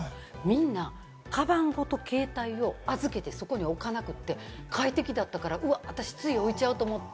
みんな、かばんごと携帯を預けてそこに置かなくて、快適だったから私つい置いちゃうと思って。